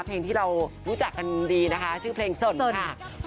เพลงที่เรารู้จักกันดีนะคะชื่อเพลงสนค่ะ